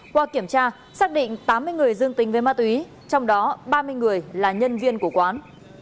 qua kiểm tra xác định tám mươi người dương tính với ma túy trong đó ba mươi người là nhân viên của quán